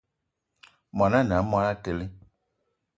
Món ané a monatele